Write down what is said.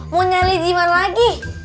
mau nyari dimana lagi